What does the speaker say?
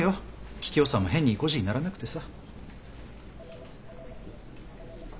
桔梗さんも変に意固地にならなくてさ。